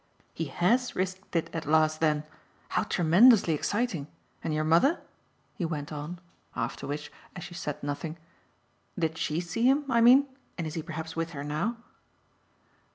"He HAS risked it at last then? How tremendously exciting! And your mother?" he went on; after which, as she said nothing: "Did SHE see him, I mean, and is he perhaps with her now?"